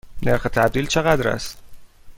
نرخ تبدیل چقدر است؟